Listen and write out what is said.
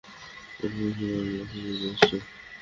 মক্কায় মুসলমানরা খুবই ব্যস্ত।